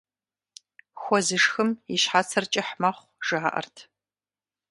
Хуэ зышхым и щхьэцыр кӀыхь мэхъу, жаӀэрт.